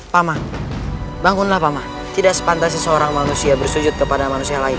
pama bangunlah pama tidak sepantas seseorang manusia bersujud kepada manusia lain